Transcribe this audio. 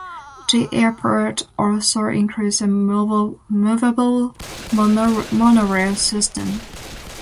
The airport also includes a movable monorail system.